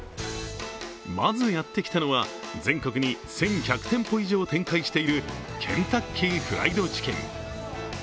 まずやってきたのは全国に１１００店舗以上展開しているケンタッキーフライドチキン。